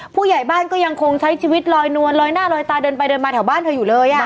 ผู้ใหญ่บ้านก็ยังคงใช้ชีวิตลอยนวลลอยหน้าลอยตาเดินไปเดินมาแถวบ้านเธออยู่เลย